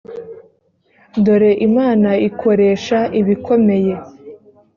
dore imana ikoresha ibikomeye .